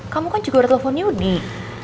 kamu kan juga udah telepon new nih